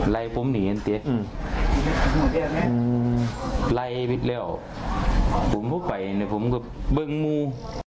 ไล่ผมหนีอันเตียไล่เร็วผมพูดไปผมเบิ้งมู